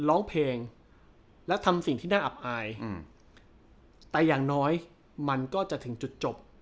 ร้องเพลงและทำสิ่งที่น่าอับอายแต่อย่างน้อยมันก็จะถึงจุดจบ